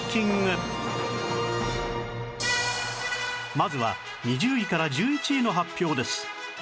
まずは２０位から１１位の発表です